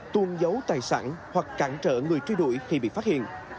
tôn giấu tài sản hoặc cản trở người truy đuổi khi bị phát hiện